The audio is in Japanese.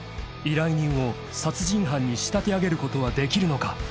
［依頼人を殺人犯に仕立て上げることはできるのか］